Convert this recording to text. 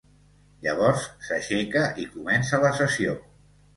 Llavors s'aixeca i comença la sessió.